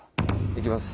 いきます。